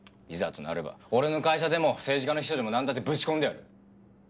いざとなれば俺の会社でも政治家の秘書でもなんだってぶち込んでやる。